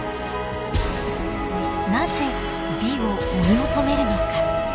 なぜ美を追い求めるのか。